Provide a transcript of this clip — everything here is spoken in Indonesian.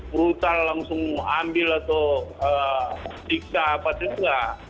brutal langsung ambil atau diksa apa itu nggak